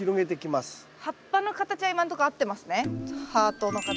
葉っぱの形は今んとこ合ってますね。